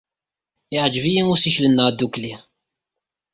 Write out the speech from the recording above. Yeɛjeb-iyi ussikel-nneɣ ddukkli.